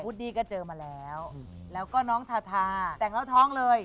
ดี้ก็เจอมาแล้วแล้วก็น้องทาทาแต่งแล้วท้องเลย